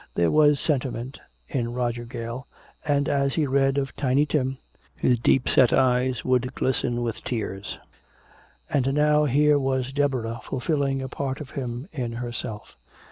There was sentiment in Roger Gale, and as he read of "Tiny Tim" his deepset eyes would glisten with tears. And now here was Deborah fulfilling a part of him in herself.